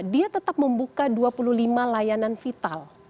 dia tetap membuka dua puluh lima layanan vital